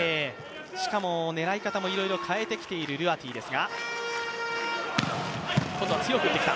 しかも、狙い方もいろいろ変えてきているルアティです。